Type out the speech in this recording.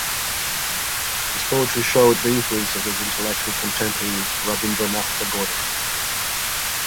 His poetry showed the influence of his intellectual contemporary Rabindranath Tagore.